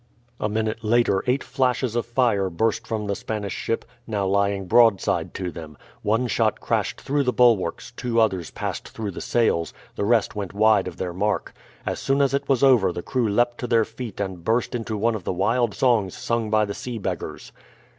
A minute later eight flashes of fire burst from the Spanish ship, now lying broadside to them. One shot crashed through the bulwarks, two others passed through the sails, the rest went wide of their mark. As soon as it was over the crew leapt to their feet and burst into one of the wild songs sung by the sea beggars.